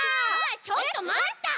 ちょっとまった！